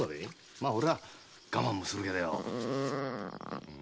まあ俺は我慢もするけどよ。